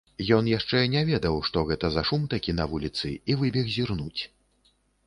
Ён яшчэ не ведаў, што гэта за шум такі на вуліцы, і выбег зірнуць.